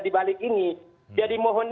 dibalik ini jadi mohon